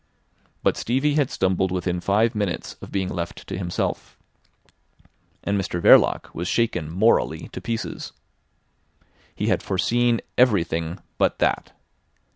But Stevie had stumbled within five minutes of being left to himself. And Mr Verloc was shaken morally to pieces. He had foreseen everything but that.